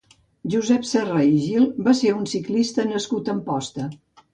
Josep Serra i Gil va ser un ciclista nascut a Amposta.